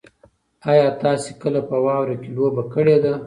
ایا تاسي کله په واوره کې لوبه کړې ده؟